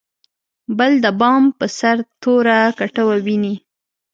بل د بام په سر توره کټوه ویني.